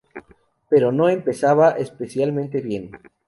Pero no empezaba especialmente bien.